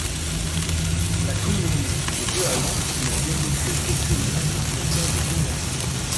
La commune de Vauhallan n'a développé aucune association de jumelage.